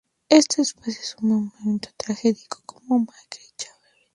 Este espacio es un monumento a tragedias como la Masacre de Srebrenica.